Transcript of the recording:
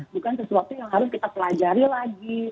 bukan sesuatu yang harus kita pelajari lagi